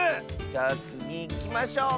じゃつぎいきましょう！